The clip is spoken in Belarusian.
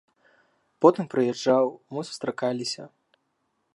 Потым прыязджаў, мы сустракаліся.